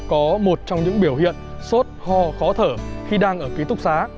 có một trong những biểu hiện sốt ho khó thở khi đang ở ký túc xá